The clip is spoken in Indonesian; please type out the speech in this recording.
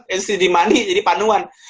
itu jadi mandi jadi panuan